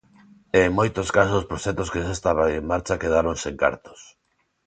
E en moitos casos proxectos que xa estaban en marcha quedaron sen cartos.